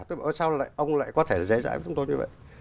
tôi bảo sao ông lại có thể dễ dãi với chúng tôi như vậy